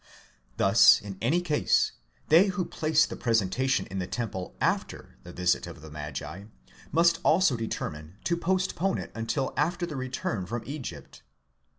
Thus in any case, they who place the presentation in the temple after the visit of the magi, must also determine to postpone it until after the return from Egypt.